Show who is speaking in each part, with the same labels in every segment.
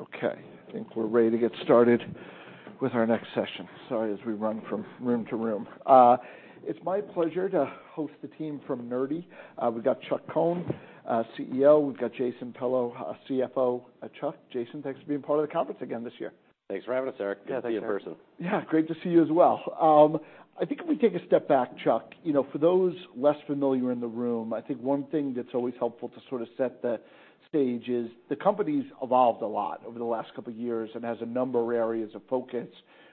Speaker 1: Okay, I think we're ready to get started with our next session. Sorry, as we run from room to room. It's my pleasure to host the team from Nerdy. We've got Chuck Cohn, CEO. We've got Jason Pello, CFO. Chuck, Jason, thanks for being part of the conference again this year.
Speaker 2: Thanks for having us, Eric.
Speaker 3: Yeah, thanks.
Speaker 2: Good to be in person.
Speaker 1: Yeah, great to see you as well. I think if we take a step back, Chuck, you know, for those less familiar in the room, I think one thing that's always helpful to sort of set the stage is, the company's evolved a lot over the last couple of years and has a number of areas of focus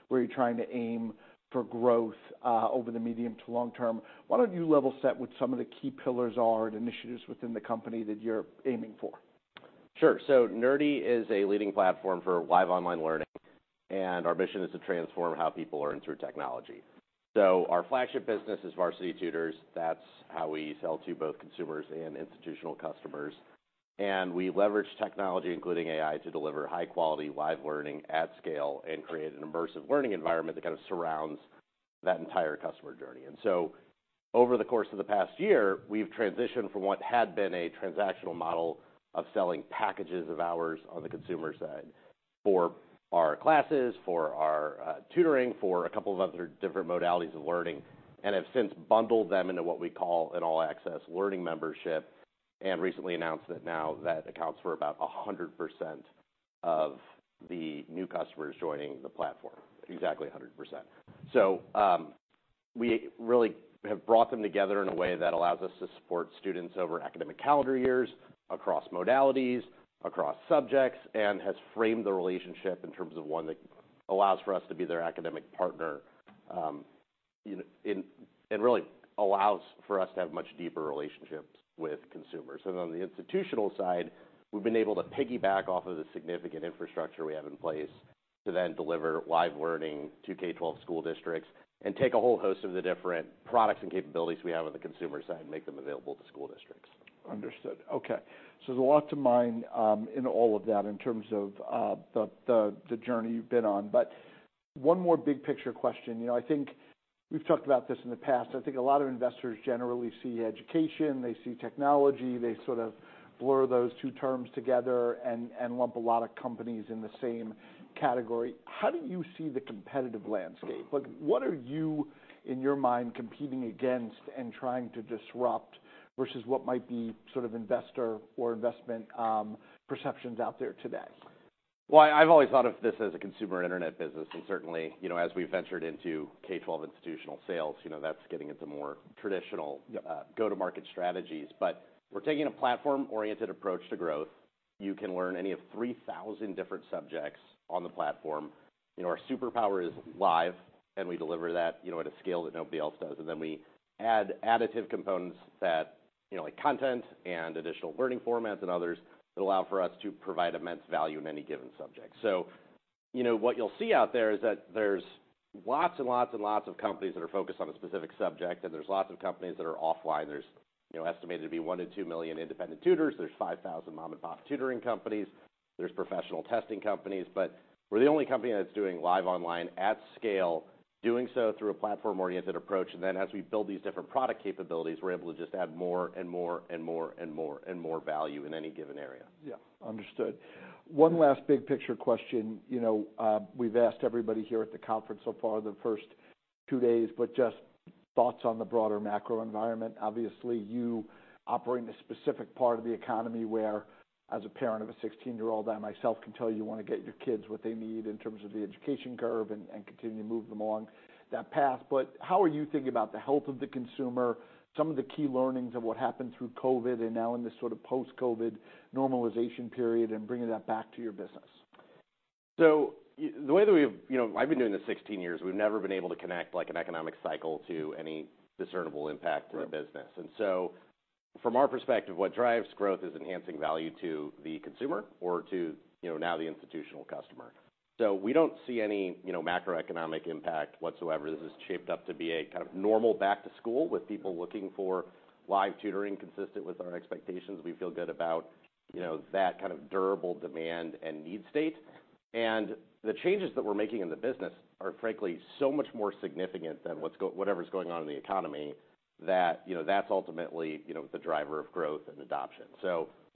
Speaker 1: where you're trying to aim for growth, over the medium- to long-term. Why don't you level set what some of the key pillars are and initiatives within the company that you're aiming for?
Speaker 2: Sure. So Nerdy is a leading platform for live online learning, and our mission is to transform how people learn through technology. So our flagship business is Varsity Tutors. That's how we sell to both consumers and institutional customers. And we leverage technology, including AI, to deliver high-quality live learning at scale and create an immersive learning environment that kind of surrounds that entire customer journey. And so over the course of the past year, we've transitioned from what had been a transactional model of selling packages of hours on the consumer side for our classes, for our tutoring, for a couple of other different modalities of learning, and have since bundled them into what we call an all-access Learning Membership, and recently announced that now that accounts for about 100% of the new customers joining the platform. Exactly 100%. So, we really have brought them together in a way that allows us to support students over academic calendar years, across modalities, across subjects, and has framed the relationship in terms of one that allows for us to be their academic partner, you know, and, and really allows for us to have much deeper relationships with consumers. On the institutional side, we've been able to piggyback off of the significant infrastructure we have in place to then deliver live learning to K-12 school districts and take a whole host of the different products and capabilities we have on the consumer side and make them available to school districts.
Speaker 1: Understood. Okay. So there's a lot to mine, in all of that, in terms of, the journey you've been on. But one more big picture question. You know, I think we've talked about this in the past. I think a lot of investors generally see education, they see technology, they sort of blur those two terms together and lump a lot of companies in the same category. How do you see the competitive landscape? Like, what are you, in your mind, competing against and trying to disrupt versus what might be sort of investor or investment, perceptions out there today?
Speaker 2: Well, I've always thought of this as a consumer internet business, and certainly, you know, as we've ventured into K-12 institutional sales, you know, that's getting into more traditional-
Speaker 1: Yep...
Speaker 2: go-to-market strategies. But we're taking a platform-oriented approach to growth. You can learn any of 3,000 different subjects on the platform. You know, our superpower is live, and we deliver that, you know, at a scale that nobody else does. And then we add additive components that, you know, like content and additional learning formats and others, that allow for us to provide immense value in any given subject. So, you know, what you'll see out there is that there's lots and lots and lots of companies that are focused on a specific subject, and there's lots of companies that are offline. There's, you know, estimated to be 1-2 million independent tutors. There's 5,000 mom-and-pop tutoring companies. There's professional testing companies. But we're the only company that's doing live online at scale, doing so through a platform-oriented approach. As we build these different product capabilities, we're able to just add more and more and more and more and more value in any given area.
Speaker 1: Yeah, understood. One last big picture question. You know, we've asked everybody here at the conference so far the first two days, but just thoughts on the broader macro environment. Obviously, you operate in a specific part of the economy where, as a parent of a 16-year-old, I myself can tell you, you wanna get your kids what they need in terms of the education curve and continue to move them along that path. But how are you thinking about the health of the consumer, some of the key learnings of what happened through COVID, and now in this sort of post-COVID normalization period, and bringing that back to your business?
Speaker 2: So the way that we've... You know, I've been doing this 16 years, we've never been able to connect, like, an economic cycle to any discernible impact-
Speaker 1: Right...
Speaker 2: in the business. And so from our perspective, what drives growth is enhancing value to the consumer or to, you know, now the institutional customer. So we don't see any, you know, macroeconomic impact whatsoever. This has shaped up to be a kind of normal back to school, with people looking for live tutoring consistent with our expectations. We feel good about, you know, that kind of durable demand and need state. And the changes that we're making in the business are, frankly, so much more significant than whatever's going on in the economy, that, you know, that's ultimately, you know, the driver of growth and adoption.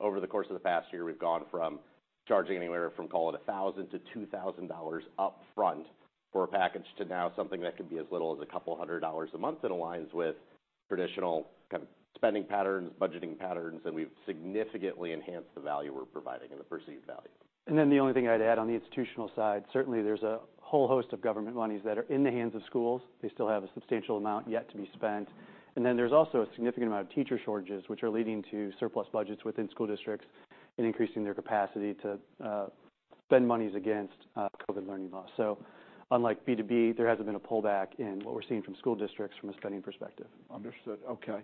Speaker 2: Over the course of the past year, we've gone from charging anywhere from, call it, $1,000-$2,000 upfront for a package, to now something that could be as little as $200 a month and aligns with traditional kind of spending patterns, budgeting patterns, and we've significantly enhanced the value we're providing and the perceived value.
Speaker 3: And then, the only thing I'd add on the institutional side, certainly there's a whole host of government monies that are in the hands of schools. They still have a substantial amount yet to be spent. And then, there's also a significant amount of teacher shortages, which are leading to surplus budgets within school districts and increasing their capacity to, spend monies against, COVID learning loss. So unlike B2B, there hasn't been a pullback in what we're seeing from school districts from a spending perspective.
Speaker 1: Understood. Okay.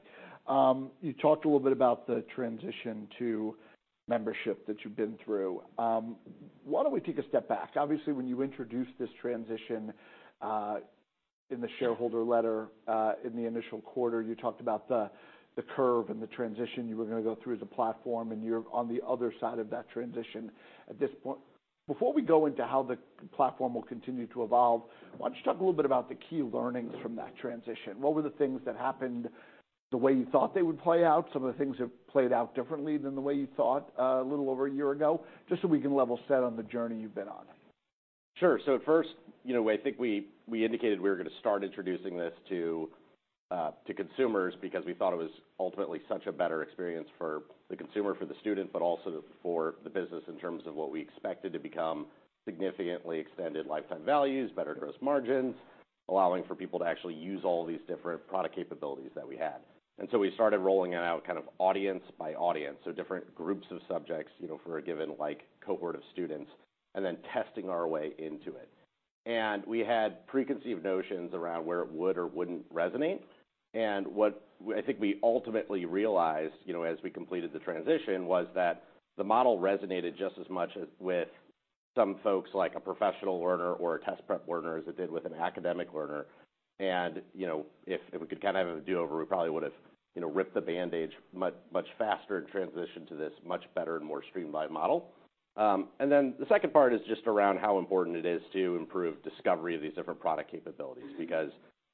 Speaker 1: You talked a little bit about the transition to membership that you've been through. Why don't we take a step back? Obviously, when you introduced this transition, in the shareholder letter, in the initial quarter, you talked about the curve and the transition you were gonna go through as a platform, and you're on the other side of that transition. Before we go into how the platform will continue to evolve, why don't you talk a little bit about the key learnings from that transition? What were the things that happened the way you thought they would play out, some of the things that played out differently than the way you thought, a little over a year ago? Just so we can level set on the journey you've been on.
Speaker 2: Sure. So at first, you know, I think we indicated we were gonna start introducing this to consumers because we thought it was ultimately such a better experience for the consumer, for the student, but also for the business in terms of what we expected to become significantly extended lifetime values, better gross margins, allowing for people to actually use all these different product capabilities that we had. And so we started rolling it out, kind of audience by audience, so different groups of subjects, you know, for a given, like, cohort of students, and then testing our way into it. And we had preconceived notions around where it would or wouldn't resonate. What I think we ultimately realized, you know, as we completed the transition, was that the model resonated just as much with some folks, like a professional learner or a test prep learner, as it did with an academic learner. You know, if we could kind of have a do-over, we probably would've, you know, ripped the bandage much, much faster and transitioned to this much better and more streamlined model. Then the second part is just around how important it is to improve discovery of these different product capabilities. Because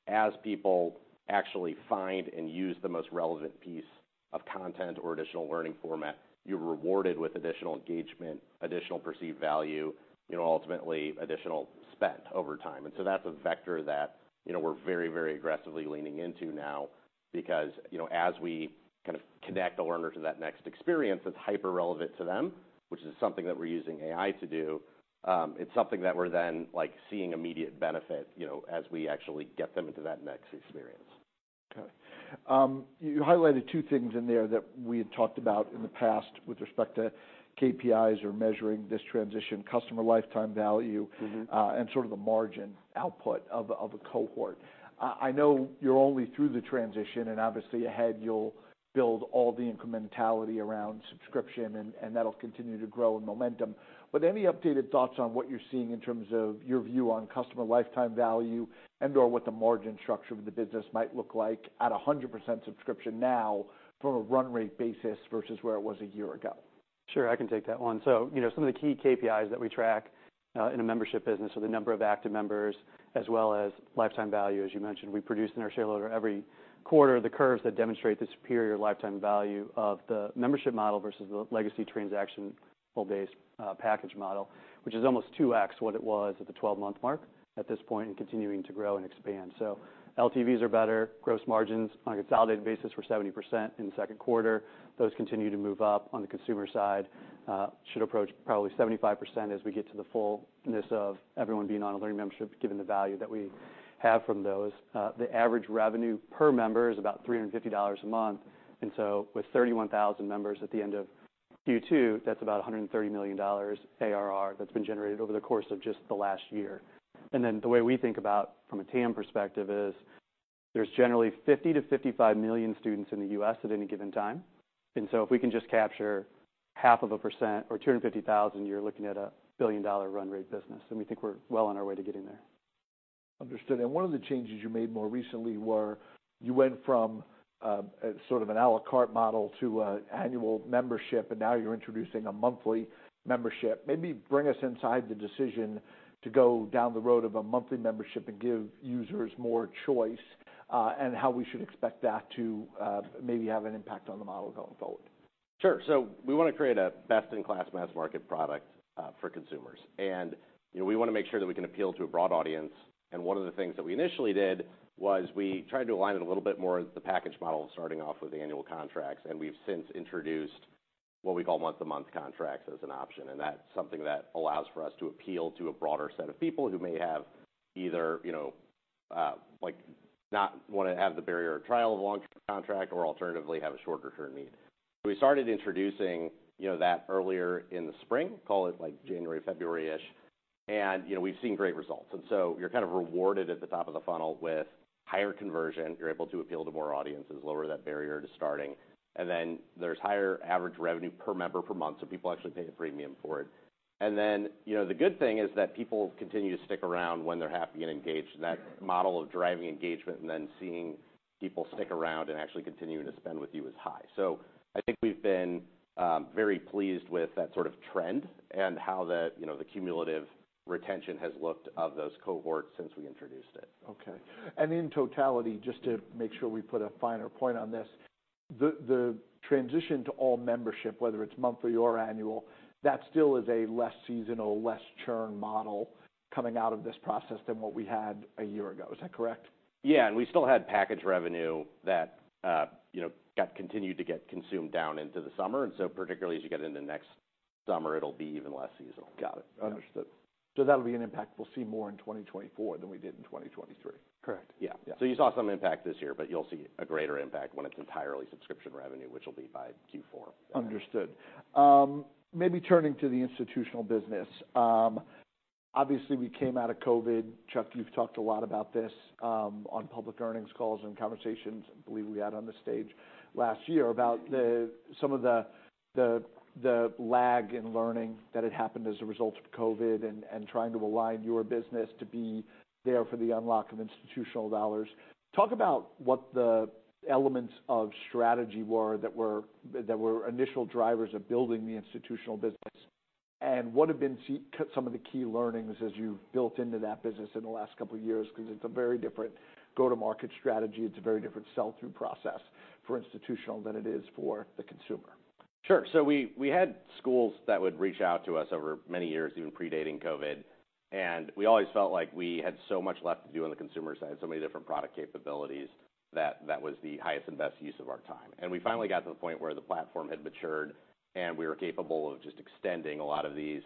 Speaker 2: as people actually find and use the most relevant piece of content or additional learning format, you're rewarded with additional engagement, additional perceived value, you know, ultimately additional spend over time. And so that's a vector that, you know, we're very, very aggressively leaning into now because, you know, as we kind of connect the learner to that next experience, that's hyper relevant to them, which is something that we're using AI to do, it's something that we're then, like, seeing immediate benefit, you know, as we actually get them into that next experience.
Speaker 1: Okay. You highlighted two things in there that we had talked about in the past with respect to KPIs or measuring this transition, customer lifetime value-
Speaker 2: Mm-hmm.
Speaker 1: And sort of the margin output of a cohort. I know you're only through the transition, and obviously, ahead, you'll build all the incrementality around subscription, and that'll continue to grow in momentum. But any updated thoughts on what you're seeing in terms of your view on customer lifetime value and/or what the margin structure of the business might look like at 100% subscription now from a run rate basis versus where it was a year ago?
Speaker 3: Sure, I can take that one. So, you know, some of the key KPIs that we track in a membership business are the number of active members, as well as lifetime value, as you mentioned. We produce in our shareholder letter every quarter the curves that demonstrate the superior lifetime value of the membership model versus the legacy transaction-based package model, which is almost 2x what it was at the 12-month mark at this point, and continuing to grow and expand. So LTVs are better. Gross margins on a consolidated basis were 70% in the second quarter. Those continue to move up on the consumer side should approach probably 75% as we get to the fullness of everyone being on a Learning Membership, given the value that we have from those. The average revenue per member is about $350 a month, and so with 31,000 members at the end of Q2, that's about $130 million ARR that's been generated over the course of just the last year. And then the way we think about from a TAM perspective is, there's generally 50-55 million students in the U.S. at any given time. And so if we can just capture 0.5% or 250,000, you're looking at a billion-dollar run rate business, and we think we're well on our way to getting there.
Speaker 1: Understood. And one of the changes you made more recently were, you went from, sort of an à la carte model to an annual membership, and now you're introducing a monthly membership. Maybe bring us inside the decision to go down the road of a monthly membership and give users more choice, and how we should expect that to maybe have an impact on the model going forward?
Speaker 2: Sure. So we wanna create a best-in-class mass market product, for consumers. And, you know, we wanna make sure that we can appeal to a broad audience. And one of the things that we initially did was we tried to align it a little bit more with the package model, starting off with the annual contracts, and we've since introduced what we call month-to-month contracts as an option. And that's something that allows for us to appeal to a broader set of people who may have either, you know, like not wanna have the barrier of trial of a long contract or alternatively, have a shorter term need. We started introducing, you know, that earlier in the spring, call it like January, February-ish, and, you know, we've seen great results. And so you're kind of rewarded at the top of the funnel with higher conversion. You're able to appeal to more audiences, lower that barrier to starting, and then there's higher average revenue per member per month, so people actually pay a premium for it. And then, you know, the good thing is that people continue to stick around when they're happy and engaged, and that model of driving engagement and then seeing people stick around and actually continuing to spend with you is high. So I think we've been very pleased with that sort of trend and how the, you know, the cumulative retention has looked of those cohorts since we introduced it.
Speaker 1: Okay. And in totality, just to make sure we put a finer point on this, the transition to all membership, whether it's monthly or annual, that still is a less seasonal, less churn model coming out of this process than what we had a year ago. Is that correct?
Speaker 2: Yeah, and we still had package revenue that, you know, continued to get consumed down into the summer. And so particularly as you get into next summer, it'll be even less seasonal.
Speaker 1: Got it. Understood. So that'll be an impact we'll see more in 2024 than we did in 2023.
Speaker 2: Correct.
Speaker 3: Yeah.
Speaker 2: You saw some impact this year, but you'll see a greater impact when it's entirely subscription revenue, which will be by Q4.
Speaker 1: Understood. Maybe turning to the institutional business. Obviously, we came out of COVID. Chuck, you've talked a lot about this on public earnings calls and conversations I believe we had on the stage last year, about some of the lag in learning that had happened as a result of COVID and trying to align your business to be there for the unlock of institutional dollars. Talk about what the elements of strategy were that were initial drivers of building the institutional business... and what have been some of the key learnings as you've built into that business in the last couple of years? Because it's a very different go-to-market strategy, it's a very different sell-through process for institutional than it is for the consumer.
Speaker 2: Sure. So we had schools that would reach out to us over many years, even predating COVID, and we always felt like we had so much left to do on the consumer side, so many different product capabilities, that that was the highest and best use of our time. We finally got to the point where the platform had matured, and we were capable of just extending a lot of these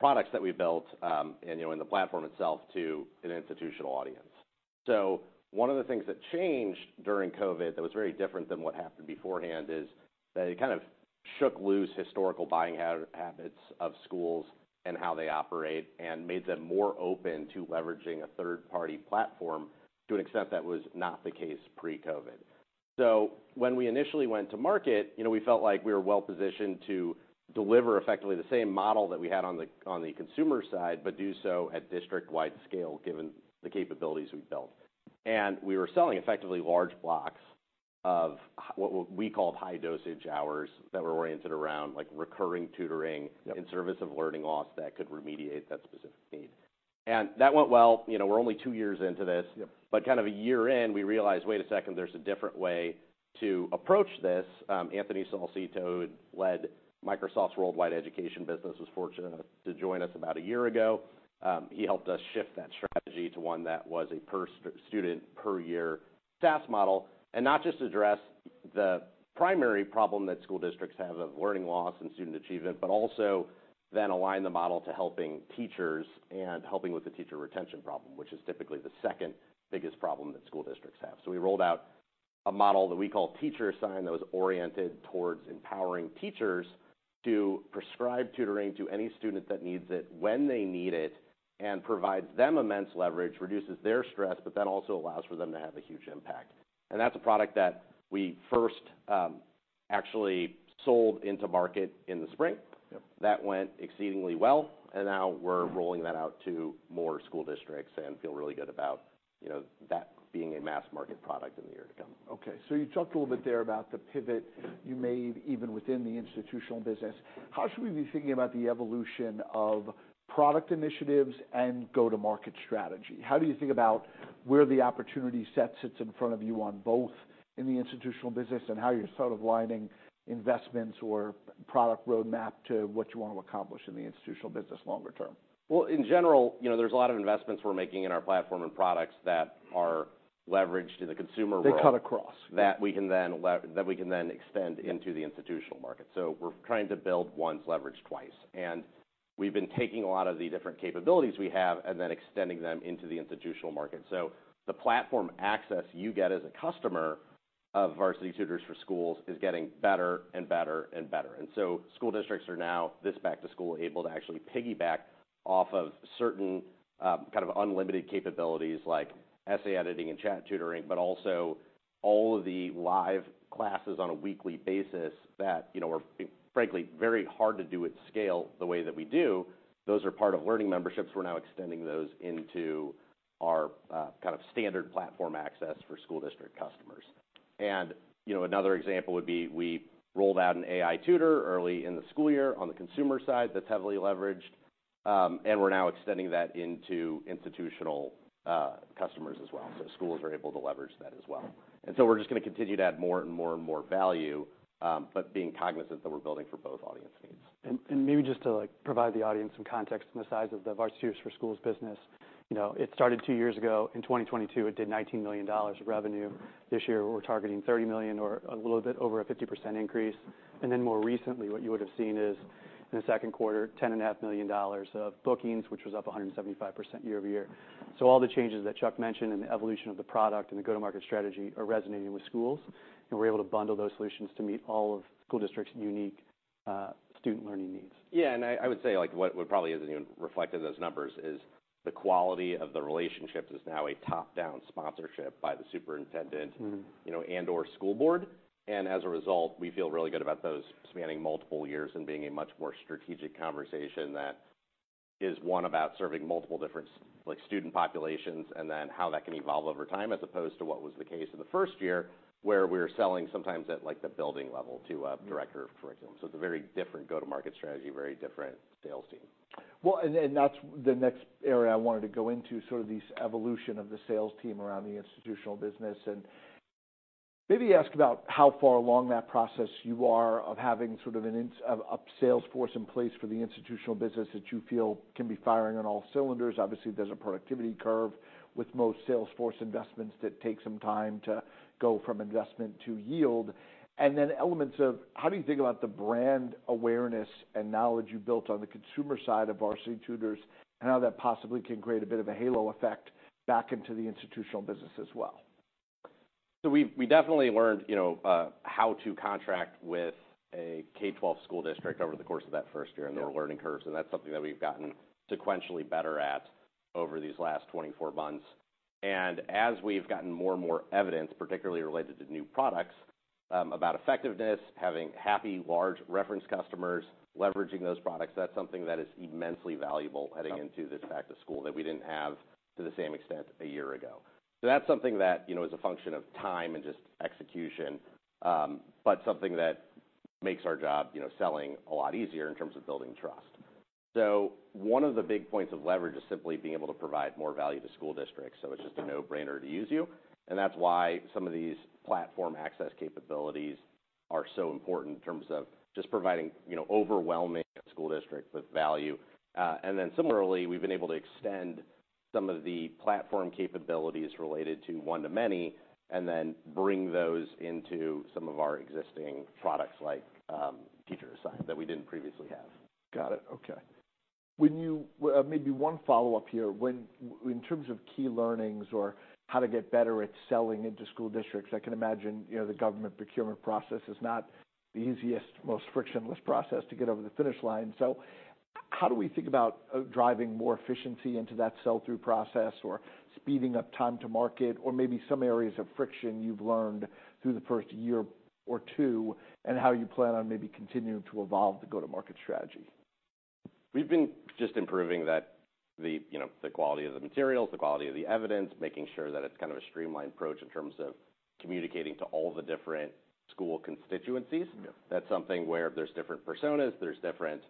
Speaker 2: products that we built and, you know, in the platform itself, to an institutional audience. So one of the things that changed during COVID that was very different than what happened beforehand is that it kind of shook loose historical buying habits of schools and how they operate, and made them more open to leveraging a third-party platform, to an extent that was not the case pre-COVID. So when we initially went to market, you know, we felt like we were well-positioned to deliver effectively the same model that we had on the, on the consumer side, but do so at district-wide scale, given the capabilities we've built. And we were selling effectively large blocks of what we called High Dosage hours, that were oriented around, like, recurring tutoring-
Speaker 1: Yep...
Speaker 2: in service of learning loss that could remediate that specific need. That went well. You know, we're only two years into this.
Speaker 1: Yep.
Speaker 2: But kind of a year in, we realized, wait a second, there's a different way to approach this. Anthony Salcito, who led Microsoft's worldwide education business, was fortunate enough to join us about a year ago. He helped us shift that strategy to one that was a per student, per year SaaS model, and not just address the primary problem that school districts have of learning loss and student achievement, but also then align the model to helping teachers and helping with the teacher retention problem, which is typically the second biggest problem that school districts have. So we rolled out a model that we call Teacher Assigned, that was oriented towards empowering teachers to prescribe tutoring to any student that needs it, when they need it, and provides them immense leverage, reduces their stress, but then also allows for them to have a huge impact. That's a product that we first actually sold into market in the spring.
Speaker 1: Yep.
Speaker 2: That went exceedingly well, and now we're rolling that out to more school districts and feel really good about, you know, that being a mass-market product in the year to come.
Speaker 1: Okay. So you talked a little bit there about the pivot you made even within the institutional business. How should we be thinking about the evolution of product initiatives and go-to-market strategy? How do you think about where the opportunity set sits in front of you on both in the institutional business, and how you're sort of aligning investments or product roadmap to what you want to accomplish in the institutional business longer term?
Speaker 2: Well, in general, you know, there's a lot of investments we're making in our platform and products that are leveraged in the consumer world-
Speaker 1: They cut across.
Speaker 2: That we can then extend into the institutional market. So we're trying to build once, leverage twice, and we've been taking a lot of the different capabilities we have and then extending them into the institutional market. So the platform access you get as a customer of Varsity Tutors for Schools is getting better and better and better. And so school districts are now, this back to school, able to actually piggyback off of certain, kind of unlimited capabilities like essay editing and chat tutoring, but also all of the live classes on a weekly basis that, you know, are, frankly, very hard to do at scale the way that we do. Those are part of Learning Memberships. We're now extending those into our, kind of standard platform access for school district customers. And, you know, another example would be, we rolled out an AI Tutor early in the school year on the consumer side, that's heavily leveraged, and we're now extending that into institutional customers as well. So schools are able to leverage that as well. And so we're just gonna continue to add more and more and more value, but being cognizant that we're building for both audience needs.
Speaker 3: Maybe just to, like, provide the audience some context on the size of the Varsity Tutors for Schools business, you know, it started two years ago. In 2022, it did $19 million of revenue. This year, we're targeting $30 million or a little bit over a 50% increase. And then more recently, what you would have seen is, in the second quarter, $10.5 million of bookings, which was up 175% year-over-year. So all the changes that Chuck mentioned and the evolution of the product and the go-to-market strategy are resonating with schools, and we're able to bundle those solutions to meet all of school districts' unique student learning needs.
Speaker 2: Yeah, and I, I would say, like, what, what probably isn't even reflected in those numbers is the quality of the relationships is now a top-down sponsorship by the superintendent-
Speaker 3: Mm-hmm...
Speaker 2: you know, and/or school board. As a result, we feel really good about those spanning multiple years and being a much more strategic conversation that is one about serving multiple different, like, student populations, and then how that can evolve over time, as opposed to what was the case in the first year, where we were selling sometimes at, like, the building level to a-
Speaker 3: Mm...
Speaker 2: director of curriculum. So it's a very different go-to-market strategy, very different sales team.
Speaker 1: Well, that's the next area I wanted to go into, sort of the evolution of the sales team around the institutional business, and maybe ask about how far along that process you are of having sort of a sales force in place for the institutional business that you feel can be firing on all cylinders. Obviously, there's a productivity curve with most sales force investments that take some time to go from investment to yield. And then elements of: how do you think about the brand awareness and knowledge you built on the consumer side of Varsity Tutors, and how that possibly can create a bit of a halo effect back into the institutional business as well?
Speaker 2: So we definitely learned, you know, how to contract with a K-12 school district over the course of that first year-
Speaker 1: Yep
Speaker 2: and their learning curves, and that's something that we've gotten sequentially better at over these last 24 months. And as we've gotten more and more evidence, particularly related to new products, about effectiveness, having happy, large reference customers, leveraging those products, that's something that is immensely valuable heading into this back to school that we didn't have to the same extent a year ago. So that's something that, you know, is a function of time and just execution, but something that makes our job, you know, selling a lot easier in terms of building trust. So one of the big points of leverage is simply being able to provide more value to school districts, so it's just a no-brainer to use you. And that's why some of these platform access capabilities are so important in terms of just providing, you know, overwhelming a school district with value. And then similarly, we've been able to extend some of the platform capabilities related to one-to-many, and then bring those into some of our existing products, like Teacher Assigned, that we didn't previously have.
Speaker 1: Got it. Okay. When maybe one follow-up here. When, in terms of key learnings or how to get better at selling into school districts, I can imagine, you know, the government procurement process is not the easiest, most frictionless process to get over the finish line. So how do we think about driving more efficiency into that sell-through process or speeding up time to market, or maybe some areas of friction you've learned through the first year or two, and how you plan on maybe continuing to evolve the go-to-market strategy?
Speaker 2: We've been just improving that, you know, the quality of the materials, the quality of the evidence, making sure that it's kind of a streamlined approach in terms of communicating to all the different school constituencies.
Speaker 1: Yeah.
Speaker 2: That's something where there's different personas, there's different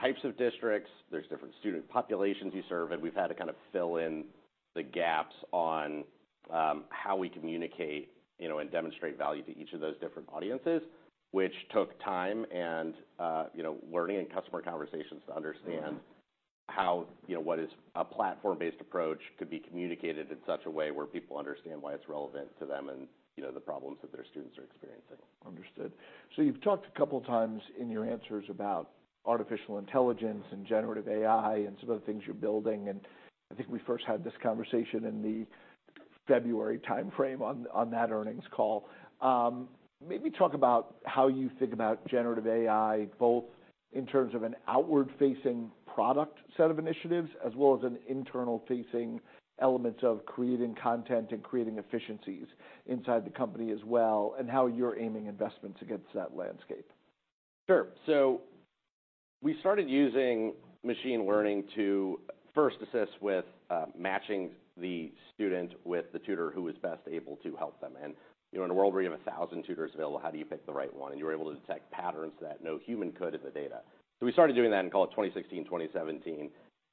Speaker 2: types of districts, there's different student populations you serve, and we've had to kind of fill in the gaps on how we communicate, you know, and demonstrate value to each of those different audiences, which took time and, you know, learning and customer conversations to understand-
Speaker 1: Mm-hmm...
Speaker 2: how, you know, what is a platform-based approach could be communicated in such a way where people understand why it's relevant to them and, you know, the problems that their students are experiencing.
Speaker 1: Understood. So you've talked a couple of times in your answers about Artificial Intelligence and generative AI and some of the things you're building, and I think we first had this conversation in the February timeframe on that earnings call. Maybe talk about how you think about generative AI, both in terms of an outward-facing product set of initiatives, as well as an internal-facing element of creating content and creating efficiencies inside the company as well, and how you're aiming investments against that landscape.
Speaker 2: Sure. So we started using machine learning to first assist with matching the student with the tutor who was best able to help them. And, you know, in a world where you have 1,000 tutors available, how do you pick the right one? And you were able to detect patterns that no human could in the data. So we started doing that in, call it, 2016, 2017,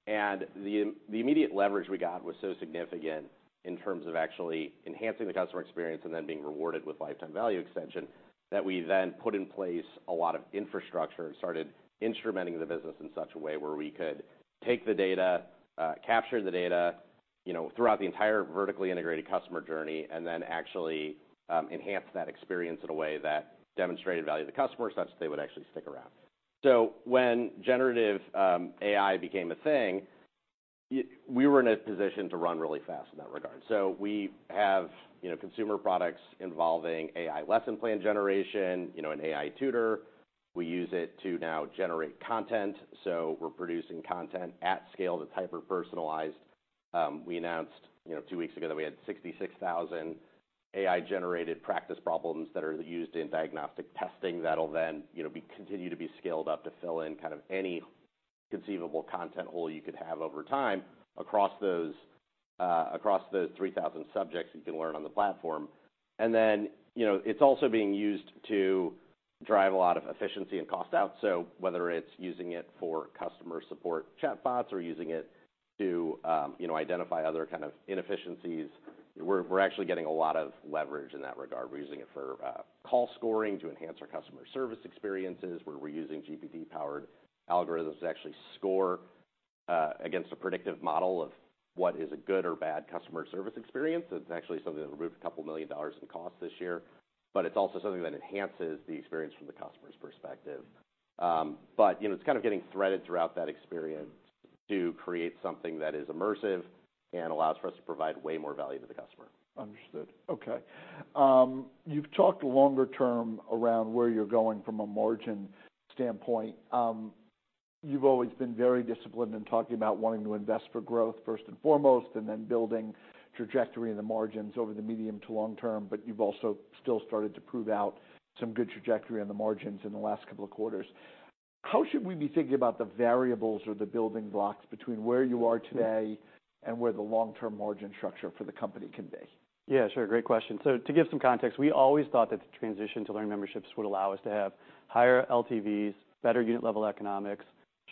Speaker 2: and the immediate leverage we got was so significant in terms of actually enhancing the customer experience and then being rewarded with lifetime value extension, that we then put in place a lot of infrastructure and started instrumenting the business in such a way where we could take the data, capture the data, you know, throughout the entire vertically integrated customer journey, and then actually enhance that experience in a way that demonstrated value to the customer, such that they would actually stick around. So when generative AI became a thing, we were in a position to run really fast in that regard. So we have, you know, consumer products involving AI lesson plan generation, you know, an AI tutor. We use it to now generate content, so we're producing content at scale that's hyper-personalized. We announced, you know, two weeks ago that we had 66,000 AI-generated practice problems that are used in diagnostic testing. That'll then, you know, continue to be scaled up to fill in kind of any conceivable content hole you could have over time across those, across the 3,000 subjects you can learn on the platform. And then, you know, it's also being used to drive a lot of efficiency and cost out. So whether it's using it for customer support chatbots or using it to, you know, identify other kind of inefficiencies, we're, we're actually getting a lot of leverage in that regard. We're using it for call scoring to enhance our customer service experiences, where we're using GPT-powered algorithms to actually score against a predictive model of what is a good or bad customer service experience. It's actually something that removed $2 million in cost this year, but it's also something that enhances the experience from the customer's perspective. But, you know, it's kind of getting threaded throughout that experience to create something that is immersive and allows for us to provide way more value to the customer.
Speaker 1: Understood. Okay. You've talked longer-term around where you're going from a margin standpoint. You've always been very disciplined in talking about wanting to invest for growth first and foremost, and then building trajectory in the margins over the medium to long term, but you've also still started to prove out some good trajectory on the margins in the last couple of quarters. How should we be thinking about the variables or the building blocks between where you are today and where the long-term margin structure for the company can be?
Speaker 3: Yeah, sure. Great question. So to give some context, we always thought that the transition to Learning Memberships would allow us to have higher LTVs, better unit-level economics,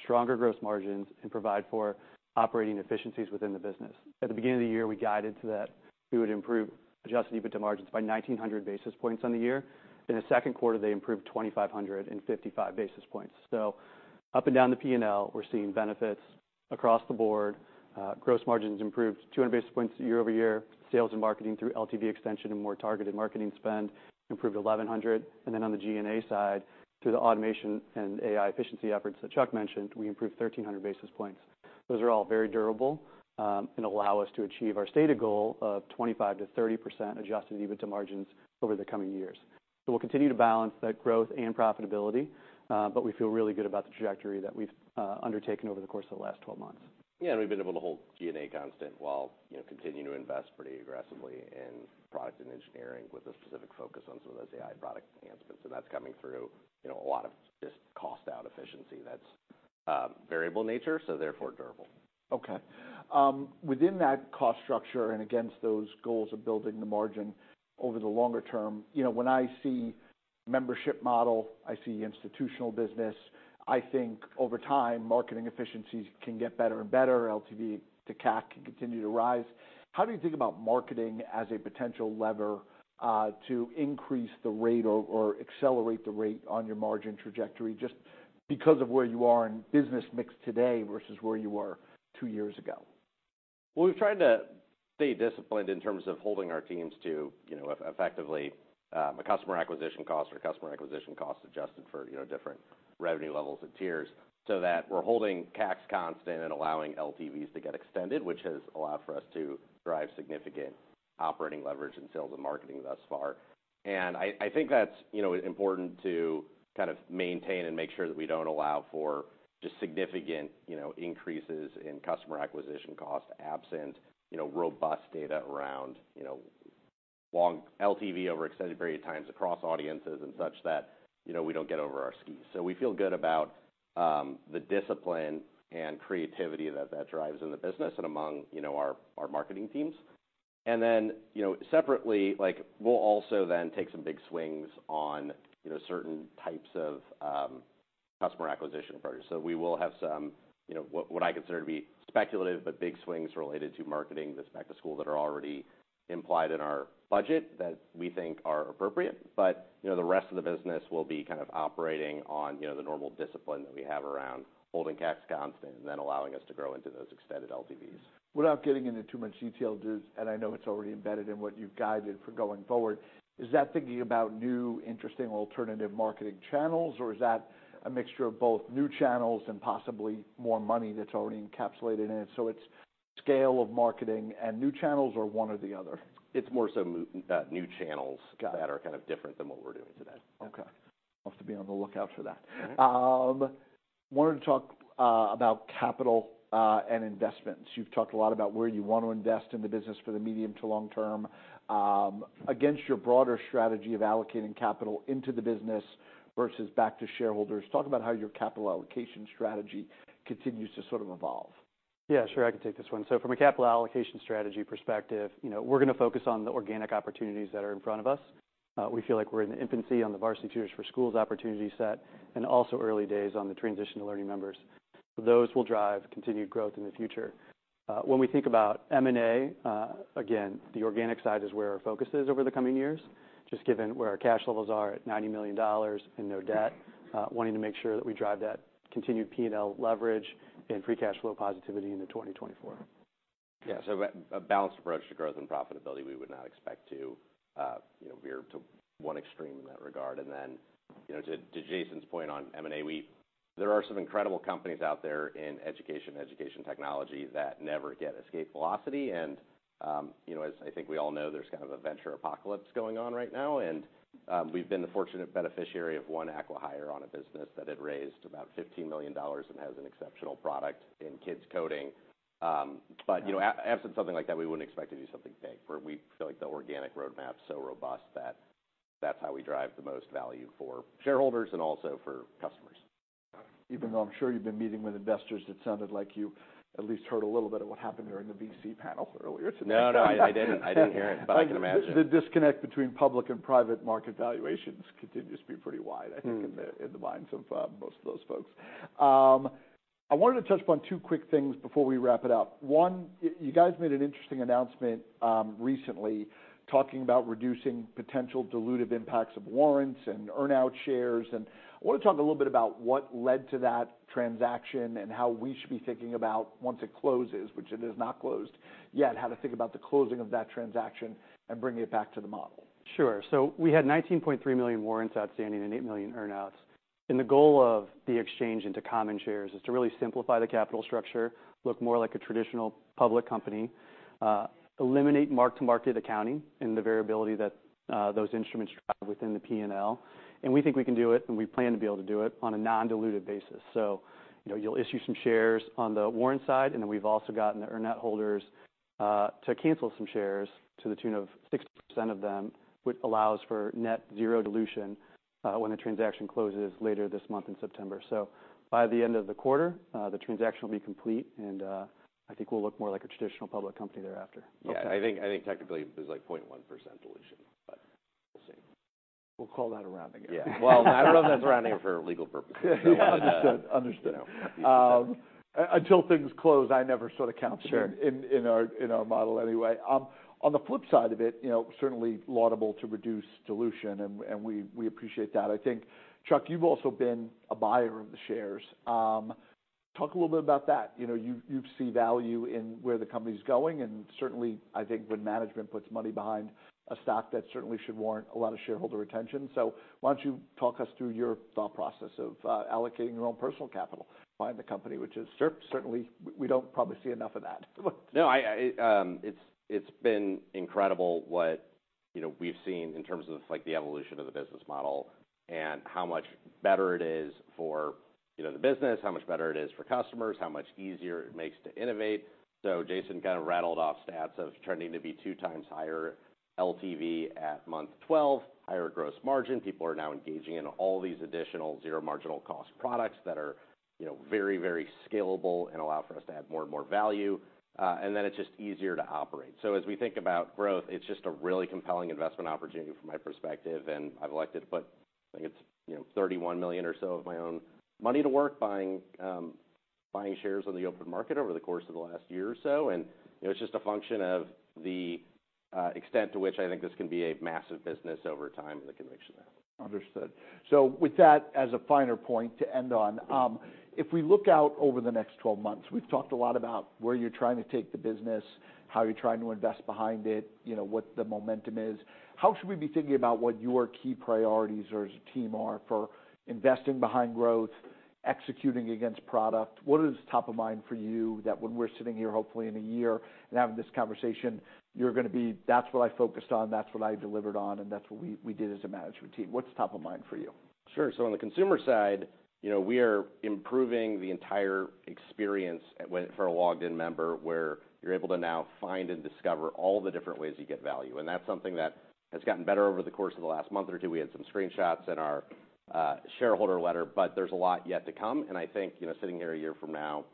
Speaker 3: stronger gross margins, and provide for operating efficiencies within the business. At the beginning of the year, we guided to that we would improve adjusted EBITDA margins by 1,900 basis points on the year. In the second quarter, they improved 2,555 basis points. So up and down the P&L, we're seeing benefits across the board. Gross margins improved 200 basis points year over year. Sales and marketing through LTV extension and more targeted marketing spend improved 1,100, and then on the G&A side, through the automation and AI efficiency efforts that Chuck mentioned, we improved 1,300 basis points. Those are all very durable, and allow us to achieve our stated goal of 25%-30% adjusted EBITDA margins over the coming years. So we'll continue to balance that growth and profitability, but we feel really good about the trajectory that we've undertaken over the course of the last 12 months.
Speaker 2: Yeah, and we've been able to hold G&A constant while, you know, continuing to invest pretty aggressively in product and engineering, with a specific focus on some of those AI product enhancements. And that's coming through, you know, a lot of just cost out efficiency that's variable nature, so therefore durable....
Speaker 1: Okay. Within that cost structure and against those goals of building the margin over the longer term, you know, when I see membership model, I see institutional business, I think over time, marketing efficiencies can get better and better, LTV to CAC can continue to rise. How do you think about marketing as a potential lever to increase the rate or, or accelerate the rate on your margin trajectory, just because of where you are in business mix today versus where you were two years ago?
Speaker 2: Well, we've tried to stay disciplined in terms of holding our teams to, you know, effectively, a customer acquisition cost or customer acquisition cost adjusted for, you know, different revenue levels and tiers, so that we're holding CACs constant and allowing LTVs to get extended, which has allowed for us to drive significant operating leverage in sales and marketing thus far. I think that's, you know, important to kind of maintain and make sure that we don't allow for just significant, you know, increases in customer acquisition cost, absent, you know, robust data around, you know, long LTV over extended period of times across audiences and such that, you know, we don't get over our skis. We feel good about the discipline and creativity that drives in the business and among, you know, our marketing teams. And then, you know, separately, like, we'll also then take some big swings on, you know, certain types of, customer acquisition approaches. So we will have some, you know, what, what I consider to be speculative, but big swings related to marketing this back to school that are already implied in our budget, that we think are appropriate. But, you know, the rest of the business will be kind of operating on, you know, the normal discipline that we have around holding CACs constant and then allowing us to grow into those extended LTVs.
Speaker 1: Without getting into too much detail, just... I know it's already embedded in what you've guided for going forward, is that thinking about new, interesting alternative marketing channels, or is that a mixture of both new channels and possibly more money that's already encapsulated in it, so it's scale of marketing and new channels or one or the other?
Speaker 2: It's more so new channels-
Speaker 1: Got it.
Speaker 2: that are kind of different than what we're doing today.
Speaker 1: Okay. We'll have to be on the lookout for that.
Speaker 2: Mm-hmm.
Speaker 1: Wanted to talk about capital and investments. You've talked a lot about where you want to invest in the business for the medium to long term. Against your broader strategy of allocating capital into the business versus back to shareholders, talk about how your capital allocation strategy continues to sort of evolve.
Speaker 3: Yeah, sure. I can take this one. So from a capital allocation strategy perspective, you know, we're gonna focus on the organic opportunities that are in front of us. We feel like we're in the infancy on the Varsity Tutors for Schools opportunity set, and also early days on the transition to Learning Membership. Those will drive continued growth in the future. When we think about M&A, again, the organic side is where our focus is over the coming years, just given where our cash levels are at $90 million and no debt, wanting to make sure that we drive that continued P&L leverage and free cash flow positivity into 2024.
Speaker 2: Yeah, so a balanced approach to growth and profitability, we would not expect to, you know, veer to one extreme in that regard. And then, you know, to Jason's point on M&A, there are some incredible companies out there in education, education technology, that never get escape velocity. And, you know, as I think we all know, there's kind of a venture apocalypse going on right now, and, we've been the fortunate beneficiary of one acqui-hire on a business that had raised about $15 million and has an exceptional product in kids coding. But, you know, absent something like that, we wouldn't expect to do something big, for we feel like the organic roadmap's so robust that that's how we drive the most value for shareholders and also for customers.
Speaker 1: Even though I'm sure you've been meeting with investors, that sounded like you at least heard a little bit of what happened during the VC panel earlier today.
Speaker 2: No, no, I didn't. I didn't hear it, but I can imagine.
Speaker 1: The disconnect between public and private market valuations continues to be pretty wide, I think.
Speaker 2: Mm...
Speaker 1: in the minds of most of those folks. I wanted to touch upon two quick things before we wrap it up. One, you guys made an interesting announcement recently, talking about reducing potential dilutive impacts of warrants and earn-out shares, and I want to talk a little bit about what led to that transaction and how we should be thinking about once it closes, which it has not closed yet, how to think about the closing of that transaction and bringing it back to the model.
Speaker 3: Sure. So we had 19.3 million warrants outstanding and 8 million earn-outs. And the goal of the exchange into common shares is to really simplify the capital structure, look more like a traditional public company, eliminate mark-to-market accounting and the variability that, those instruments drive within the P&L. And we think we can do it, and we plan to be able to do it on a non-diluted basis. So, you know, you'll issue some shares on the warrant side, and then we've also gotten the earn-out holders, to cancel some shares to the tune of 60% of them, which allows for net zero dilution, when the transaction closes later this month in September. So by the end of the quarter, the transaction will be complete, and, I think we'll look more like a traditional public company thereafter.
Speaker 2: Yeah, I think, I think technically there's, like, 0.1% dilution, but we'll see.
Speaker 3: We'll call that a rounding error.
Speaker 2: Yeah. Well, I don't know if that's a rounding error for legal purposes.
Speaker 1: Understood. Understood.
Speaker 2: Yeah.
Speaker 1: Until things close, I never sort of count-
Speaker 3: Sure
Speaker 1: In our model anyway. On the flip side of it, you know, certainly laudable to reduce dilution, and we appreciate that. I think, Chuck, you've also been a buyer of the shares. Talk a little bit about that. You know, you see value in where the company's going, and certainly, I think when management puts money behind a stock, that certainly should warrant a lot of shareholder retention. So why don't you talk us through your thought process of allocating your own personal capital by the company, which is certainly, we don't probably see enough of that.
Speaker 2: No, it's been incredible what, you know, we've seen in terms of, like, the evolution of the business model and how much better it is for, you know, the business, how much better it is for customers, how much easier it makes to innovate... So Jason kind of rattled off stats of trending to be two times higher LTV at month 12, higher gross margin. People are now engaging in all these additional zero marginal cost products that are, you know, very, very scalable and allow for us to add more and more value, and then it's just easier to operate. As we think about growth, it's just a really compelling investment opportunity from my perspective, and I've elected to put, I think it's, you know, $31 million or so of my own money to work, buying shares on the open market over the course of the last year or so. You know, it's just a function of the extent to which I think this can be a massive business over time, and the conviction there.
Speaker 1: Understood. So with that as a finer point to end on, if we look out over the next 12 months, we've talked a lot about where you're trying to take the business, how you're trying to invest behind it, you know, what the momentum is. How should we be thinking about what your key priorities are, as a team are for investing behind growth, executing against product? What is top of mind for you that when we're sitting here, hopefully in a year and having this conversation, you're gonna be, "That's what I focused on, that's what I delivered on, and that's what we, we did as a management team." What's top of mind for you?
Speaker 2: Sure. So on the consumer side, you know, we are improving the entire experience for a logged-in member, where you're able to now find and discover all the different ways you get value. And that's something that has gotten better over the course of the last month or two. We had some screenshots in our shareholder letter, but there's a lot yet to come. I think, you know, sitting here a year from now,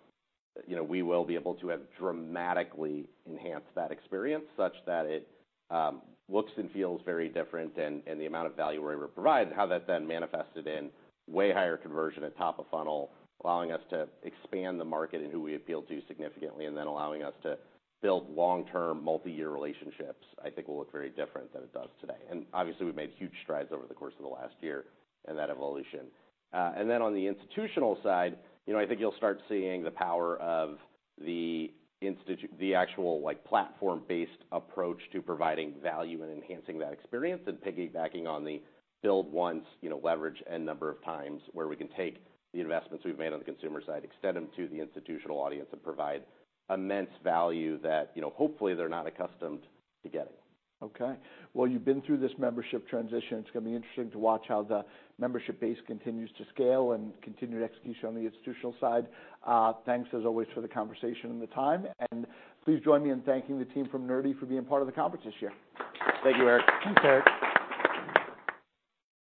Speaker 2: you know, we will be able to have dramatically enhanced that experience, such that it, looks and feels very different and, and the amount of value we're able to provide, and how that then manifested in way higher conversion at top of funnel, allowing us to expand the market and who we appeal to significantly, and then allowing us to build long-term, multi-year relationships, I think will look very different than it does today. Obviously, we've made huge strides over the course of the last year in that evolution. And then on the institutional side, you know, I think you'll start seeing the power of the actual, like, platform-based approach to providing value and enhancing that experience, and piggybacking on the build once, you know, leverage N number of times, where we can take the investments we've made on the consumer side, extend them to the institutional audience, and provide immense value that, you know, hopefully, they're not accustomed to getting.
Speaker 1: Okay. Well, you've been through this membership transition. It's gonna be interesting to watch how the membership base continues to scale and continued execution on the institutional side. Thanks, as always, for the conversation and the time, and please join me in thanking the team from Nerdy for being part of the conference this year.
Speaker 2: Thank you, Eric.
Speaker 3: Thanks, Eric.